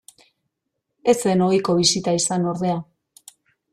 Ez zen ohiko bisita izan ordea.